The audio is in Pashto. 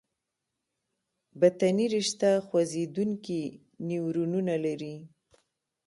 بطني رشته خوځېدونکي نیورونونه لري.